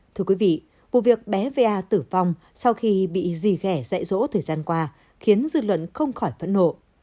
thưa quý vị vụ việc bé va tử vong sau khi bị dì ghẻ rỗ thời gian qua khiến dư luận không khỏi phẫn nộ